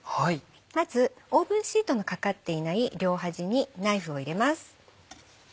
まずオーブンシートのかかっていない両端にナイフを入れます。